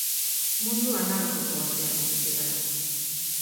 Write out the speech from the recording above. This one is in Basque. Mundu analogiko batean bizi gara